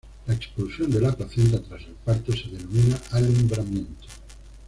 La expulsión de la placenta tras el parto se denomina alumbramiento.